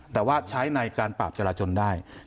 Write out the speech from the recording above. แต่ว่าใช้ในการปราบจราจนได้